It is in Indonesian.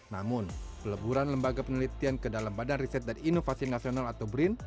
namun peleburan lembaga penelitian ke dalam badan riset dan inovasi nasional atau brin